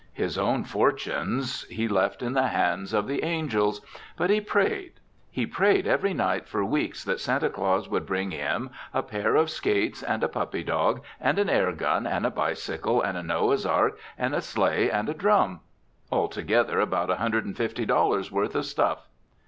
His own fortunes he left in the hands of the angels. But he prayed. He prayed every night for weeks that Santa Claus would bring him a pair of skates and a puppy dog and an air gun and a bicycle and a Noah's ark and a sleigh and a drum altogether about a hundred and fifty dollars' worth of stuff.